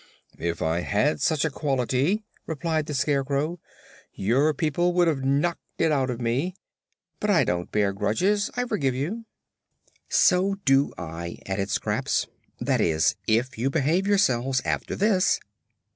"If I had such a quality," replied the Scarecrow, "your people would have knocked it out of me. But I don't bear grudges. I forgive you." "So do I," added Scraps. "That is, if you behave yourselves after this."